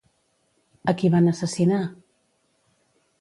A qui van assassinar?